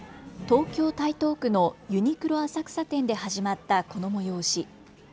東京台東区のユニクロ浅草店で始まったこの催し。